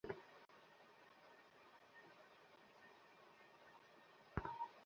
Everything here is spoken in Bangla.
তবে আবেদনের জন্য প্রতি খুদে বার্তায় একটি কলেজের নাম দেওয়া যাবে।